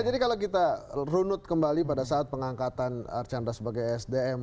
jadi kalau kita runut kembali pada saat pengangkatan archandra sebagai sdm